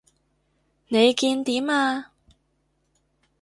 你見點啊？